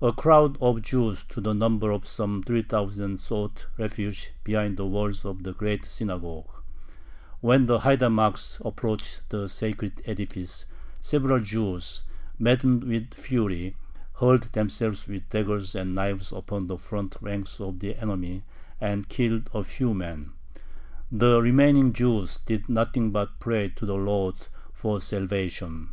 A crowd of Jews to the number of some three thousand sought refuge behind the walls of the great synagogue. When the haidamacks approached the sacred edifice, several Jews, maddened with fury, hurled themselves with daggers and knives upon the front ranks of the enemy and killed a few men. The remaining Jews did nothing but pray to the Lord for salvation.